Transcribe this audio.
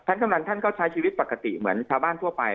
กำนันท่านก็ใช้ชีวิตปกติเหมือนชาวบ้านทั่วไป